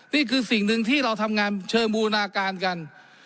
นี่คือสิ่งหนึ่งที่เราทำงานเชิงบูรณาการกัน